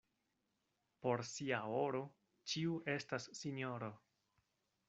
Por sia oro ĉiu estas sinjoro.